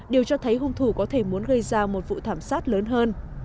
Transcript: điều cho thấy hung thủ có thể muốn gây ra một vụ thảm sát lớn hơn